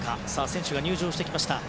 選手が入場してきました。